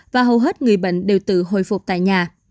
và hầu hết người bệnh đều tự hồi phục tại nhà